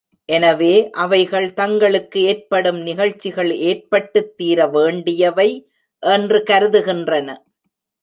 எனவே, அவைகள் தங்களுக்கு ஏற்படும் நிகழ்ச்சிகள் ஏற்பட்டுத் தீரவேண்டியவை என்று கருதுகின்றன.